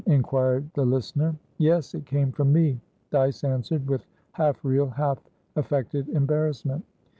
inquired the listener. "Yes, it came from me," Dyce answered, with half real, half affected, embarrassment.